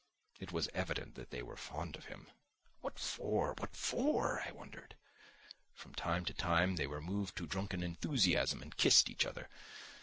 It was evident that they were fond of him. "What for? What for?" I wondered. From time to time they were moved to drunken enthusiasm and kissed each other.